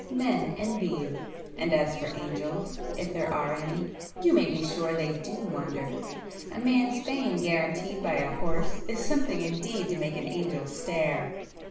Men envy you,—and as for angels,—if there are any,—you may be sure they do wonder! A man's fame guaranteed by a horse, is something indeed to make an angel stare!"